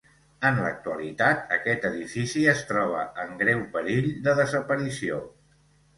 En l'actualitat aquest edifici es troba en greu perill de desaparició.